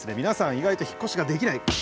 皆さん意外と引っ越しができない。